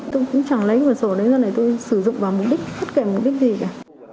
tôi cũng chẳng lấy một sổ đấy do này tôi sử dụng vào mục đích hết kể mục đích gì cả